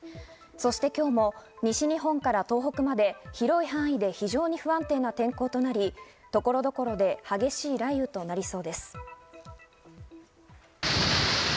そして今日も西日本から東北まで広い範囲で非常に不安定な天候となり、所々で激しい雷雨となりそうです。